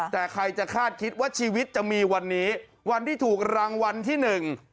แต่ใครจะคาดคิดว่าชีวิตจะมีวันนี้วันที่ถูกรางวัลที่หนึ่ง